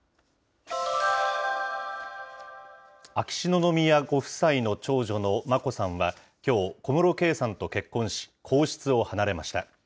秋篠宮ご夫妻の長女の眞子さんはきょう、小室圭さんと結婚し、皇室を離れました。